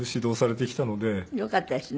よかったですね。